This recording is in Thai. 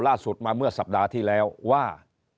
เราบอกต่อเมื่อสัปดาห์ที่แล้วว่า